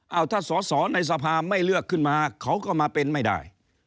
เอาถ้าสอสอในสภาไม่เลือกขึ้นมาเขาก็มาเป็นไม่ได้